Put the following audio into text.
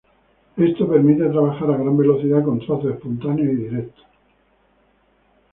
Esto permite trabajar a gran velocidad con trazos espontáneos y directos.